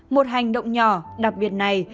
một hành động nhỏ đặc biệt này